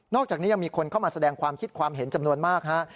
อกจากนี้ยังมีคนเข้ามาแสดงความคิดความเห็นจำนวนมากฮะ